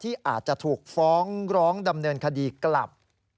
อาจจะถูกฟ้องร้องดำเนินคดีกลับ